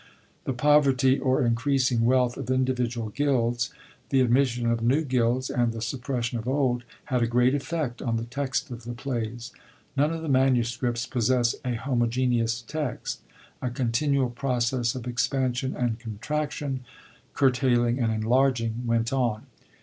^ The poverty or increasing wealth of individual gilds, the admission of new gilds and the suppression of old, had a great effect on the text of the plays. None of the MSS. possess a homogeneous text. A continual process of expansion and contraction, curtailing and enlarging, went on.